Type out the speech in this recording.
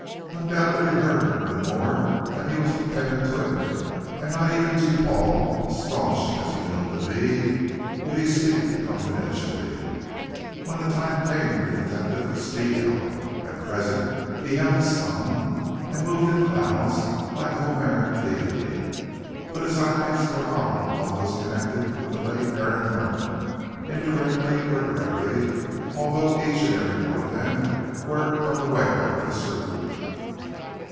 Undoubtedly Hurd knew more than he was prepared to admit, and not even to Paul, staunch as he knew him to be, would he speak confidentially. When the time came the detective would speak out. At present he held his tongue and moved in clouds like a Homeric deity. But his eyes were on all those connected with the late Aaron Norman, indirectly or directly, although each and every one of them were unaware of the scrutiny.